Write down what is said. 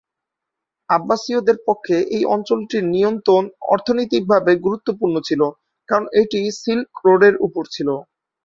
আব্বাসীয়দের পক্ষে এই অঞ্চলটির নিয়ন্ত্রণ অর্থনৈতিকভাবে গুরুত্বপূর্ণ ছিল কারণ এটি সিল্ক রোডের উপর ছিল।